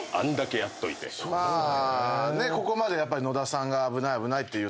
まあここまで野田さんが危ない危ないって言ってました。